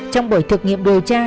trong buổi thực nghiệm đồ cha